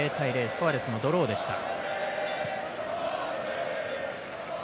スコアレスのドローでした。